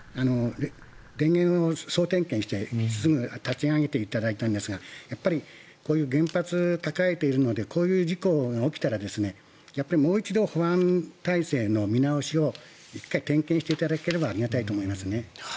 電源を総点検してすぐ立ち上げていただいたんですがやっぱりこういう原発を抱えているのでこういう事故が起きたらもう一度、保安体制の見直しを１回、点検すればありがたいと思います。